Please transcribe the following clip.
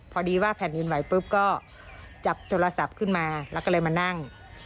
พอดีว่าแผ่นดินไหวปุ๊บก็จับโทรศัพท์ขึ้นมาแล้วก็เลยมานั่ง